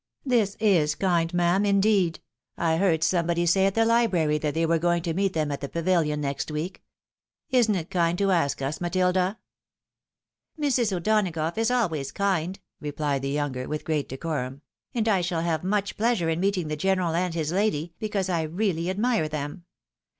" This is kind, ma'am, indeed. I heard somebody say at the library that they were going to meet them at the Pavilion next week. Isn't it kind to ask us, Matilda ?"" Mrs. O'Donagough is always kind," rephed the younger, ic 162 THE WIDOW MAERIED. ■with great decorum, " and I shall have much pleasure in meet ing the general and his lady, because I really admire them.